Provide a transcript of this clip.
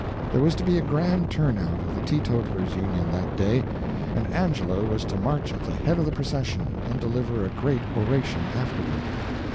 There was to be a grand turnout of the Teetotalers' Union that day, and Angelo was to march at the head of the procession and deliver a great oration afterward.